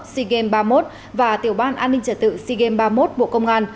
sea games ba mươi một và tiểu ban an ninh trật tự sea games ba mươi một bộ công an